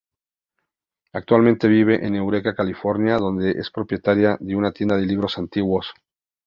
Actualmente vive en Eureka, California, donde es copropietaria de una tienda de libros antiguos.